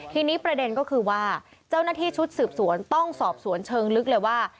ทีนี้ประเด็นก็คือว่าเจ้าหน้าที่ชุดสืบสวนต้องสอบสวนเชิงลึกเลยว่า